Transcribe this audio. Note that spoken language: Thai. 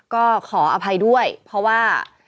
ก็ขออภัยด้วยเพราะว่า